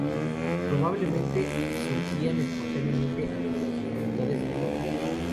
Probablemente surgían espontáneamente ante las dificultades del toro.